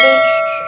mau ke sana